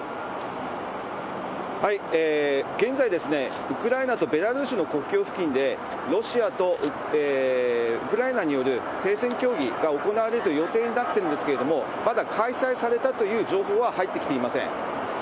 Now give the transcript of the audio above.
現在、ウクライナとベラルーシの国境付近で、ロシアとウクライナによる停戦協議が行われるという予定になってるんですけれども、まだ開催されたという情報は入ってきていません。